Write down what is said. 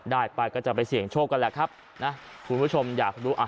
ได้ไปก็จะไปเสี่ยงโชคกันแหละครับนะคุณผู้ชมอยากรู้อ่ะ